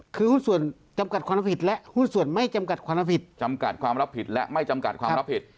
คือหุ้นส่วนจำกัดความผิดและหุ้นส่วนไม่จำกัดความรับผิดจำกัดความรับผิดและไม่จำกัดความรับผิด